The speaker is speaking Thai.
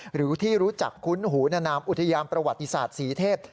หรือที่รู้จักคุ้นหูนานามอุทยานประวัติศาสตร์ศรีเทพ